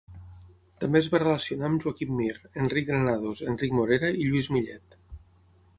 També es va relacionar amb Joaquim Mir, Enric Granados, Enric Morera i Lluís Millet.